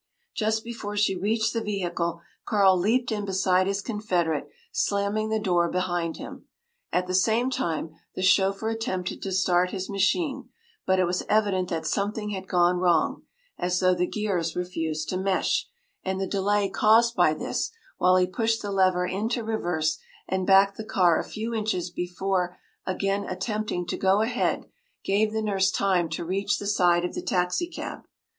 Just before she reached the vehicle, Carl leaped in beside his confederate, slamming the door behind him. At the same time the chauffeur attempted to start his machine, but it was evident that something had gone wrong, as though the gears refused to mesh, and the delay caused by this, while he pushed the lever into reverse and backed the car a few inches before again attempting to go ahead, gave the nurse time to reach the side of the taxicab.